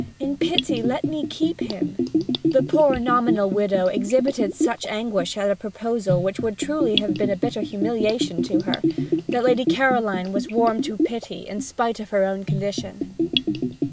In pity let me keep him!' The poor nominal widow exhibited such anguish at a proposal which would have been truly a bitter humiliation to her, that Lady Caroline was warmed to pity in spite of her own condition.